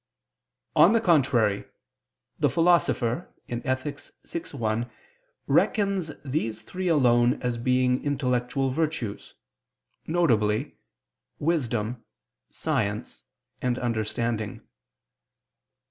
On the contrary, The Philosopher (Ethic. vi, 1) reckons these three alone as being intellectual virtues, viz. wisdom, science and understanding.